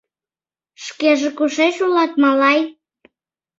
Шкеже кушеч улат, малай?